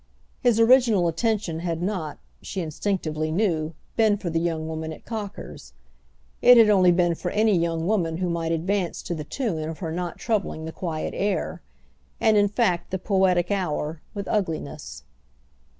His original attention had not, she instinctively knew, been for the young woman at Cocker's; it had only been for any young woman who might advance to the tune of her not troubling the quiet air, and in fact the poetic hour, with ugliness.